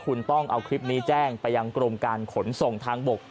คุณต้องเอาคลิปนี้แจ้งไปยังกรมการขนส่งทางบก